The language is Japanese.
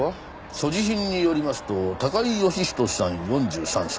所持品によりますと高井義人さん４３歳。